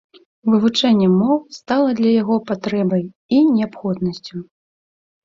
Вывучэнне моў стала для яго патрэбай і неабходнасцю.